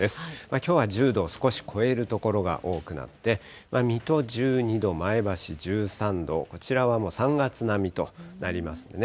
きょうは１０度を少し超える所が多くなって、水戸１２度、前橋１３度、こちらはもう３月並みとなりますね。